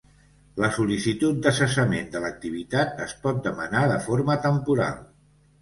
La sol·licitud de cessament de l'activitat es pot demanar de forma temporal.